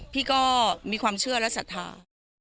พี่ก็มีความเชื่อและศรัทธา